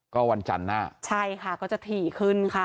ก็วันจันทร์หน้าใช่ค่ะก็จะถี่ขึ้นค่ะ